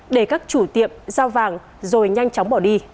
để các chủ tiệm giao vàng rồi nhanh chóng bỏ đi